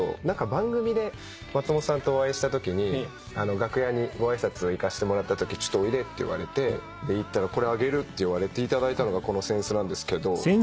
番組で松本さんとお会いしたときに楽屋にご挨拶行かせてもらったときちょっとおいでって言われて行ったらこれあげるって言われて頂いたのがこの扇子で。